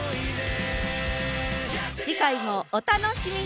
次回もお楽しみに！